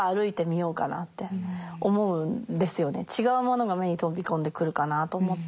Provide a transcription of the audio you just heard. こっちも違うものが目に飛び込んでくるかなと思って。